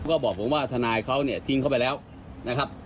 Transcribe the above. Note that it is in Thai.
ก็บอกผมว่าทนายเขาเนี่ยทิ้งเขาไปแล้วนะครับ